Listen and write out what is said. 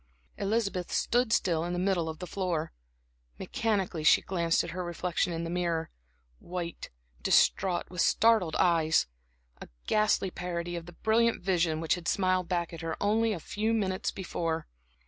Elizabeth stood still in the middle of the floor. Mechanically she glanced at her reflection in the mirror; white, distraught, with startled eyes a ghastly parody of the brilliant vision which had smiled back at her only a few minutes before.